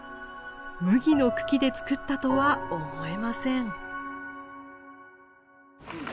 麦の茎で作ったとは思えません。